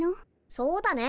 そうだね。